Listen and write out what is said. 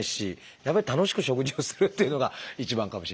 やっぱり楽しく食事をするっていうのが一番かもしれませんね。